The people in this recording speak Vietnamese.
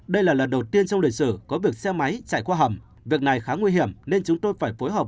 đây là lần đầu tiên trong lịch sử có việc xe máy chạy qua hầm việc này khá nguy hiểm nên chúng tôi phải phối hợp